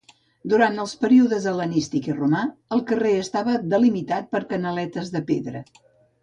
Durant els períodes hel·lenístic i romà, el carrer estava delimitat per canaletes de pedra.